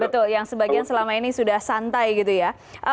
betul yang sebagian selama ini sudah santai gitu ya